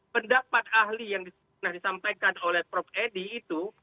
pendapat ahli yang disampaikan oleh prof edi itu